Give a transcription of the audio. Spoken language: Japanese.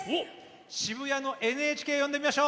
渋谷のＮＨＫを呼んでみましょう。